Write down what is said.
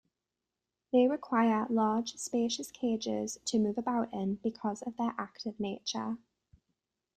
They require large, spacious cages to move about in because of their active nature.